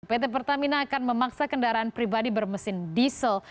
pt pertamina akan memaksa kendaraan pribadi bermesin diesel